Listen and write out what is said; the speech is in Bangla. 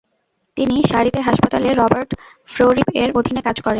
তিনি শারিতে হাসপাতালে রবার্ট ফ্রোরিপ এর অধীনে কাজ করেন।